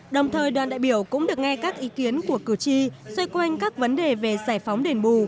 đồng thời đoàn đại biểu cũng được nghe các ý kiến của cử tri xoay quanh các vấn đề về giải phóng đền bù